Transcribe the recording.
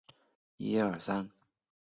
栖霞公主。